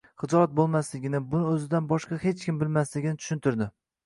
xijolat bo'lmasligini, buni o'zidan boshqa hech kim bilmasligani tushuntirdi.